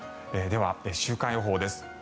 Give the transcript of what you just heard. では、週間予報です。